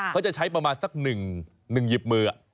เขาจะใช้ประมาณสัก๑หยิบมือ